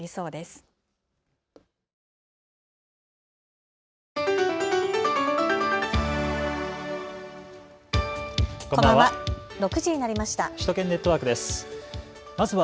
こんばんは。